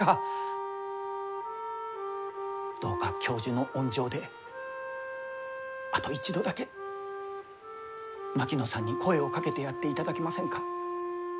どうか教授の温情であと一度だけ槙野さんに声をかけてやっていただけませんか？